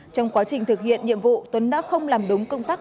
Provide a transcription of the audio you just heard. trong quá trình thực hiện nhiệm vụ tuấn đã không làm đúng công tác